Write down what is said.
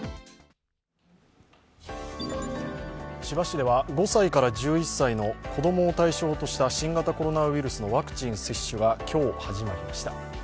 千葉市では５歳から１１歳の子供を対象とした新型コロナウイルスのワクチン接種が今日始まりました。